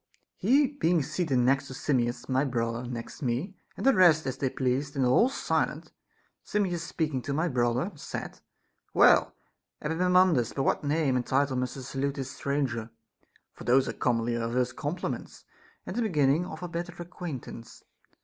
He being seated next Simmias, my brother next me, and the rest as they pleased, and all silent, Simmias speaking to my brother said : Well, Epaminondas, by what name and title must I salute this stranger ?— for those are commonly our first compliments, and the beginning of our better acquaintance.